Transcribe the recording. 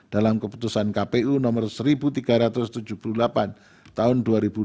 dalam keputusan kpu nomor seribu tiga ratus tujuh puluh delapan tahun dua ribu dua puluh